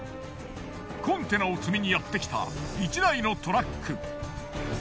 コンテナを積みにやってきた１台のトラック。